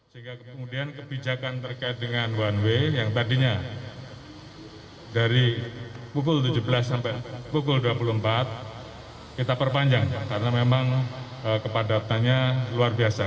sehingga kemudian kebijakan terkait dengan one way yang tadinya dari pukul tujuh belas sampai pukul dua puluh empat kita perpanjang karena memang kepadatannya luar biasa